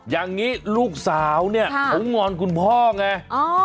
อย่างนี้ลูกสาวเนี่ยเขางอนคุณพ่อไง